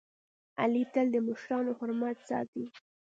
علي تل د مشرانو حرمت ساتي.